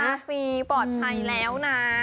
กาฟิลล์ปลอดภัยแล้วนะ